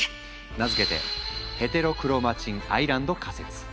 名付けてヘテロクロマチン・アイランド仮説。